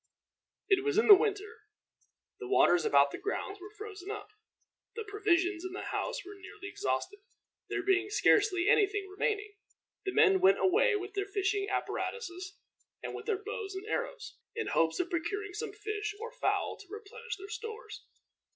It was in the winter. The waters about the grounds were frozen up. The provisions in the house were nearly exhausted, there being scarcely anything remaining. The men went away with their fishing apparatus, and with their bows and arrows, in hopes of procuring some fish or fowl to replenish their stores.